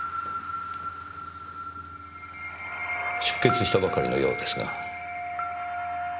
出血したばかりのようですが。